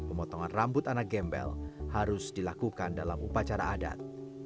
pemotongan rambut anak gembel harus dilakukan dalam upacara adat